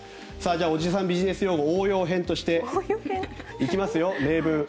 じゃあ、おじさんビジネス用語応用編としていきますよ、例文。